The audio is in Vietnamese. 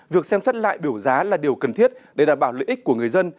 việc xem xét lại biểu giá là điều cần thiết để đảm bảo lợi ích của người dân